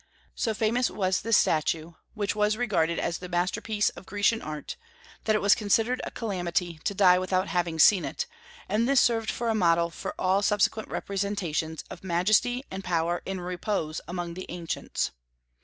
So famous was this statue, which was regarded as the masterpiece of Grecian art, that it was considered a calamity to die without having seen it; and this served for a model for all subsequent representations of majesty and power in repose among the ancients.